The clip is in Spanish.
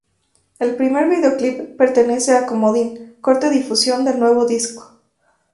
El primer videoclip pertenece a Comodín, corte difusión del nuevo disco.